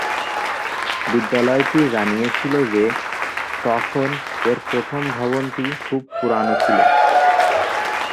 বিদ্যালয়টি জানিয়েছিল যে তখন এর প্রথম ভবনটি "খুব পুরানো" ছিল।